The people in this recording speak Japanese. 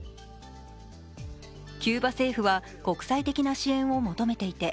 キューバ政府は国際的な支援を求めていて